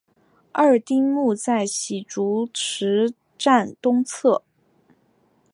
二丁目在洗足池站东侧。